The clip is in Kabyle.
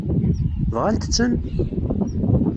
Bɣant-ten?